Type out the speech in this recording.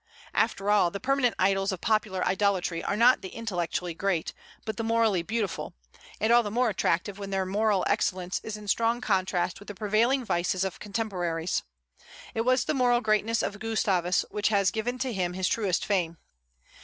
After all, the permanent idols of popular idolatry are not the intellectually great, but the morally beautiful, and all the more attractive when their moral excellence is in strong contrast with the prevailing vices of contemporaries. It was the moral greatness of Gustavus which has given to him his truest fame.